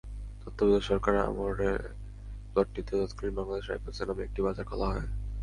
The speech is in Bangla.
তত্ত্বাবধায়ক সরকারের আমলে প্লটটিতে তৎকালীন বাংলাদেশ রাইফেলসের নামে একটি বাজার খোলা হয়।